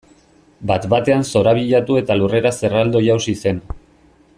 Bat batean zorabiatu eta lurrera zerraldo jausi zen.